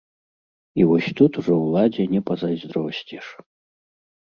І вось тут ужо ўладзе не пазайздросціш.